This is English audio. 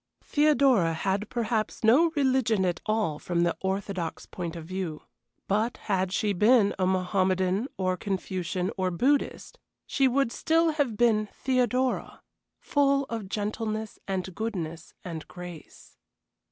Theodora had perhaps no religion at all from the orthodox point of view; but had she been a Mohommedan or a Confucian or a Buddhist, she would still have been Theodora, full of gentleness and goodness and grace.